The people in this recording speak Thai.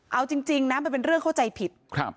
เอาจริงนะมันเป็นเรื่องเข้าใจผิด